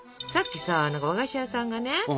さっきさ和菓子屋さんがね